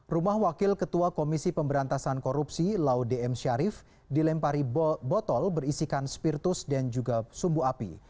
rumah wakil ketua komisi pemberantasan korupsi laude m syarif dilempari botol berisikan spirtus dan juga sumbu api